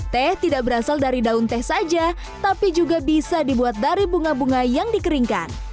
teh tidak berasal dari daun teh saja tapi juga bisa dibuat dari bunga bunga yang dikeringkan